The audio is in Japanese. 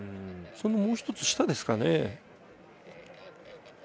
そのもう１つ下ですかね。